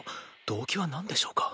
動機はなんでしょうか？